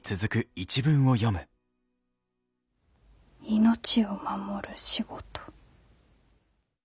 「命を守る仕事」。